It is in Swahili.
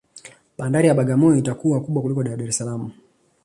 bandari ya bagamoyo itakuwa kubwa kuliko ya dar es salaam